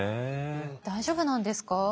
大丈夫なんですか？